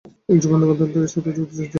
তিনি 'যুগান্তর দল'-এর সাথে যুক্ত হয়েছিলেন।